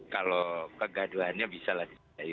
kalau kegaduhannya bisa lah kita sudahi